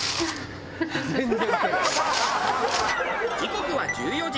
時刻は１４時。